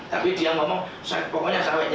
tapi dia ngomong pokoknya syahid menyelesaikan acara ini